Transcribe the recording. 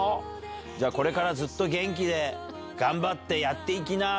じゃあこれからずっと元気で、頑張ってやっていきな！